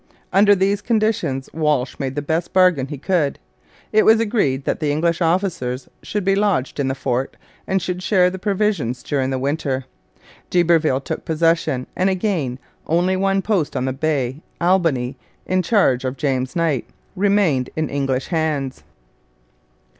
Under these conditions, Walsh made the best bargain he could. It was agreed that the English officers should be lodged in the fort and should share the provisions during the winter. D'Iberville took possession; and again, only one post on the Bay Albany, in charge of James Knight remained in English hands.